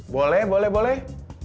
boleh boleh boleh